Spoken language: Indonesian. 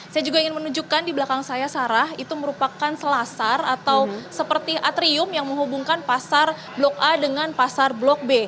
saya juga ingin menunjukkan di belakang saya sarah itu merupakan selasar atau seperti atrium yang menghubungkan pasar blok a dengan pasar blok b